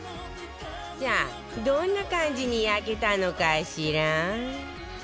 さあどんな感じに焼けたのかしら？